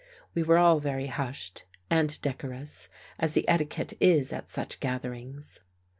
We were all very hushed and decorous, as the etiquette is at such gatherings.